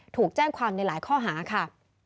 ถูกแจ้งความในหลายข้อหาค่ะ